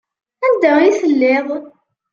Anda i telliḍ?